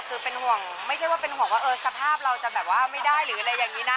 คือเป็นห่วงไม่ใช่ว่าเป็นห่วงว่าสภาพเราจะแบบว่าไม่ได้หรืออะไรอย่างนี้นะ